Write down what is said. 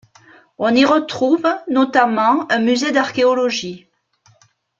On y retrouve, notamment, un musée d'archéologie.